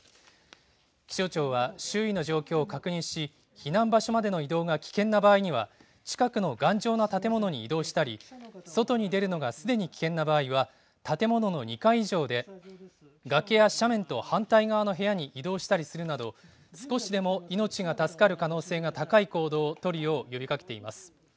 気象庁は周囲の状況を確認し、避難場所までの移動が危険な場合には、近くの頑丈な建物に移動したり、外に出るのがすでに危険な場合は、建物の２階以上で、崖や斜面と反対側の部屋に移動したりするなど、少しでも命が助かる可能性が高い行動を取るよう呼びかけています。